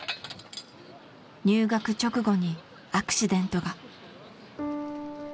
入学直後にアクシデントが。